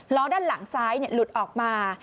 ล้อด้านหลังซ้ายหลุดออกมา